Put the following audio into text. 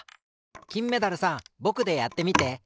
きんメダルさんぼくでやってみて。